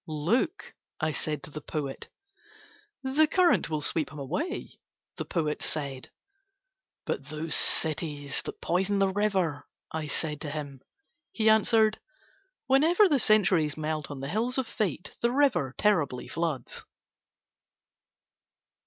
"Look," I said to the poet. "The current will sweep him away," the poet said. "But those cities that poison the river," I said to him. He answered: "Whenever the centuries melt on the hills of Fate the river terribly floods."